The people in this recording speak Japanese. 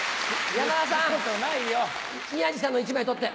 山田さん宮治さんの１枚取って！